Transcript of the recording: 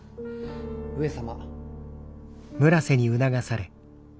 ・上様。